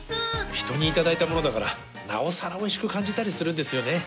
人にいただいたものだから、なおさらおいしく感じたりするんですよね。